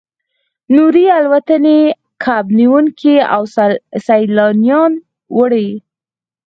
نورې الوتنې کب نیونکي او سیلانیان وړي